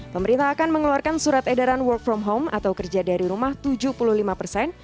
pemerintah akan mengeluarkan surat edaran work from home atau kerja dari rumah tujuh puluh lima persen